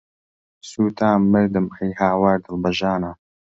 سوتام، مردم، ئەی هاوار، دڵ بە ژانە